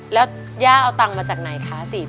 แล้วย่าเอาเงินตังจากไหนคะ๔๐๐๐